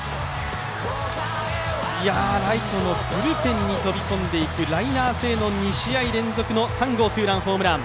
ライトのブルペンに飛び込んでいくランナー性の２試合連続の３号ツーランホームラン。